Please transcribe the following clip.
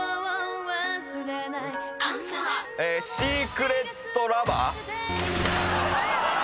えシークレットラバー？